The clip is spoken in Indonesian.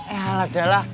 eh alat jalan